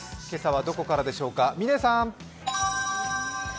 今朝はどこからでしょうか、嶺さん！